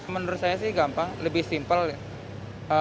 menurut saya sih gampang lebih simple